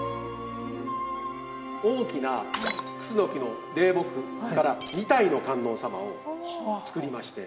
大きなクスノキの霊木から２体の観音様を造りまして。